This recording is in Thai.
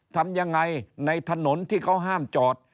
ทำยังไงในถนนที่เขาห้ามจอด